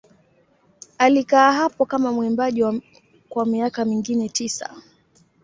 Alikaa hapo kama mwimbaji kwa miaka mingine tisa.